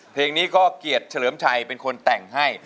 เพลงนี้ก็เกียรติเฉลิมชัยเป็นคนแต่งให้